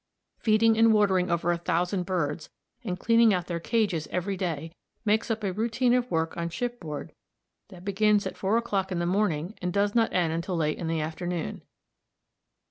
Feeding and watering over a thousand birds, and cleaning out their cages every day, makes up a routine of work on shipboard that begins at four o'clock in the morning and does not end until late in the afternoon.